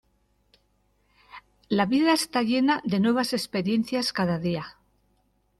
La vida está llena de nuevas experiencias cada día.